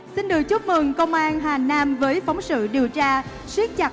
xin được chúc mừng công an hà nam với phóng sự điều tra